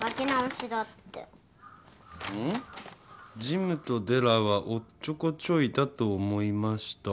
「ジムとデラはおっちょこちょいだとおもいました。